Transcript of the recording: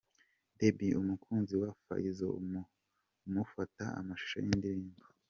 Debby umukunzi we fayzo amufata amashusho y'indirimbo.